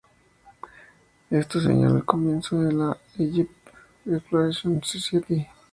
Esto señaló el comienzo de la Egypt Exploration Society.